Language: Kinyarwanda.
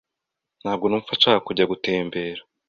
Ntabwo numva nshaka kujya gutembera.